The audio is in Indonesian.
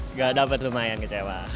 nggak dapet lumayan kecewa